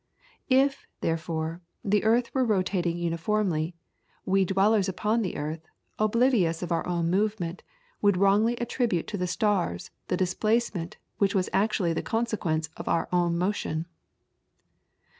If, therefore, the earth were rotating uniformly, we dwellers upon the earth, oblivious of our own movement, would wrongly attribute to the stars the displacement which was actually the consequence of our own motion.